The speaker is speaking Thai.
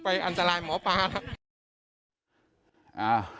ไปอันตรายหมอปลาแล้ว